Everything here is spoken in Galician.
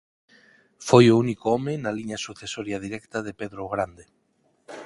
Foi o único home na liña sucesoria directa de Pedro o Grande.